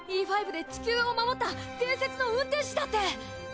Ｅ５で地球を守った伝説の運転士だって。